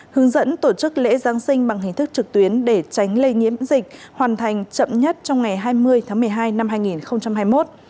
hướng dẫn tổ chức lễ giáng sinh bằng hình thức trực tuyến để tránh lây nhiễm dịch hoàn thành chậm nhất trong ngày hai mươi tháng một mươi hai năm hai nghìn hai mươi một